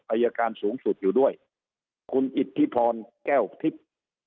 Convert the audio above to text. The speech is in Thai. อายการสูงสุดอยู่ด้วยคุณอิทธิพรแก้วทิพย์